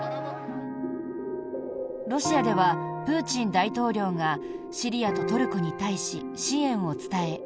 ロシアではプーチン大統領がシリアとトルコに対し支援を伝え